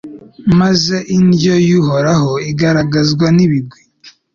maze indyo y'uhoraho igaragaza ibigwi